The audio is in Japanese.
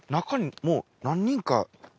中にもう何人か。